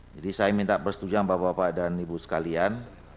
jadi saya minta persetujuan bapak bapak dan ibu sekalian